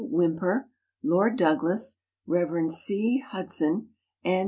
WHYMPER, LORD DOUGLAS, REV. C. HUDSON, AND MR.